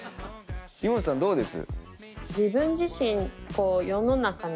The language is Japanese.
井本さんどうです？